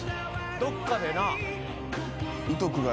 どっかでな。